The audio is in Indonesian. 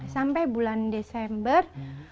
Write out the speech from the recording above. sampai bulan desember